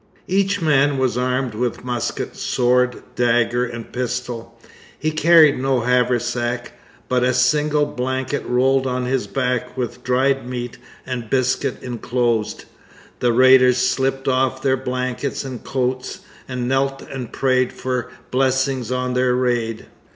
Each man was armed with musket, sword, dagger, and pistol. He carried no haversack, but a single blanket rolled on his back with dried meat and biscuit enclosed. The raiders slipped off their blankets and coats, and knelt and prayed for blessing on their raid.